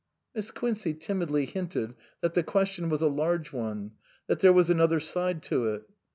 Miss Quincey timidly hinted that the question was a large one, that there was another side to it.